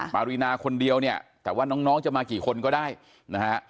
ปรินาคนเดียวเนี่ยแต่ว่าน้องจะมากี่คนก็ได้นะฮะ